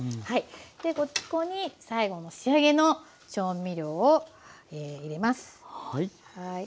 でここに最後の仕上げの調味料を入れます。